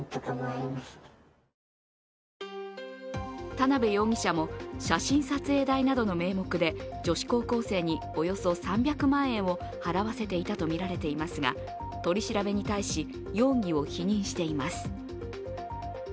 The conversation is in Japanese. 田辺容疑者も写真撮影代などの名目で女子高校生におよそ３００万円を払わせていたとみられていますが、取り調べに対し容疑を否認しています。